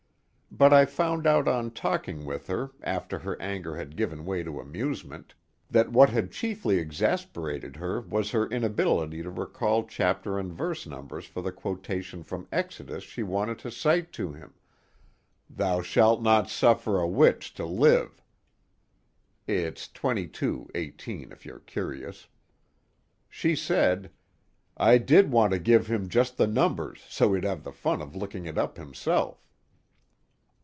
But I found out on talking with her, after her anger had given way to amusement, that what had chiefly exasperated her was her inability to recall chapter and verse numbers for the quotation from Exodus she wanted to cite to him: "Thou shalt not suffer a witch to live." (It's XXII, 18, if you're curious.) She said: "I did want to give him just the numbers so he'd have the fun of looking it up himself."